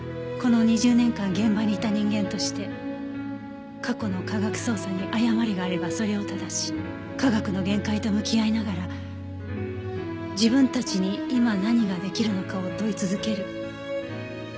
この２０年間現場にいた人間として過去の科学捜査に誤りがあればそれを正し科学の限界と向き合いながら自分たちに今何ができるのかを問い続ける。